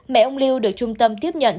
mẹ ông liu được trung tâm tiếp nhận